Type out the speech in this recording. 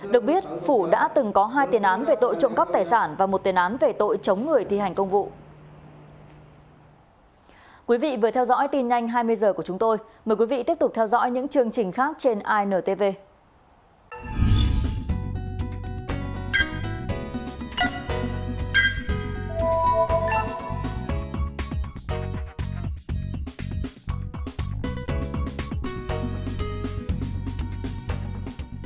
được biết phủ đã từng có hai tiền án về tội trộm cắp tài sản và một tiền án về tội chống người thi hành công vụ